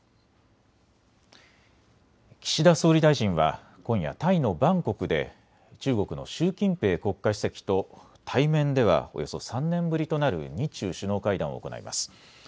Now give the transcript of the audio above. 岸田総理大臣は今夜、タイのバンコクで中国の習近平国家主席と対面ではおよそ３年ぶりとなる日中首脳会談を行います。